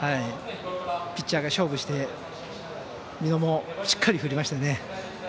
ピッチャーが勝負して美濃もしっかり振りましたね。